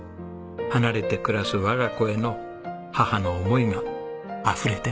離れて暮らす我が子への母の思いがあふれてます。